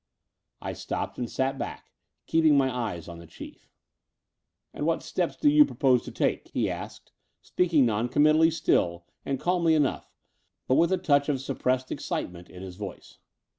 I stopped and sat back, keeping my eyes on the Chief. XVII "And what steps do you propose to take?" he asked, speaking non committally still and calmly enough, but with a touch of suppressed excitement in his voice.